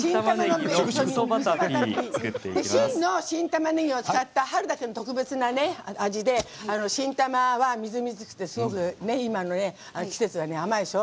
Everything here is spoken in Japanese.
旬の新たまねぎを使った春だけの特別な味で新たまはみずみずしくて今の季節は甘いでしょ。